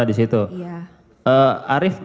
di situ iya arief